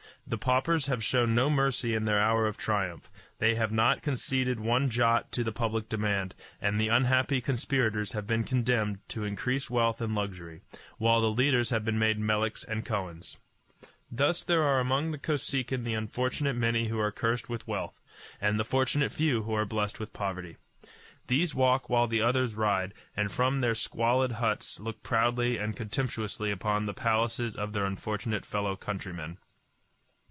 The paupers have shown no mercy in their hour of triumph; they have not conceded one jot to the public demand, and the unhappy conspirators have been condemned to increased wealth and luxury, while the leaders have been made Meleks and Kohens. Thus there are among the Kosekin the unfortunate many who are cursed with wealth, and the fortunate few who are blessed with poverty. These walk while the others ride, and from their squalid huts look proudly and contemptuously upon the palaces of their unfortunate fellow countrymen.